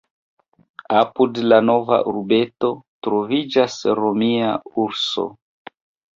Apud la nova urbeto troviĝas romia "Urso".